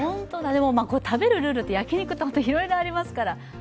食べるルールって、焼き肉っていろいろありますから。